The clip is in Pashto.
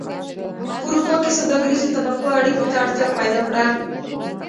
په اروپا کې سوداګریزو طبقو اړیکو ته اړتیا پیدا کړه